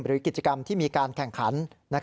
หรือกิจกรรมที่มีการแข่งขัน